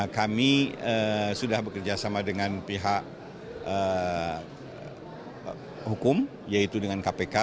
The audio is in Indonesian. kami sudah bekerjasama dengan pihak hukum yaitu dengan kpk